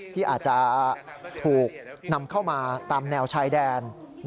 ที่อาจจะถูกนำเข้ามาตามแนวชายแดน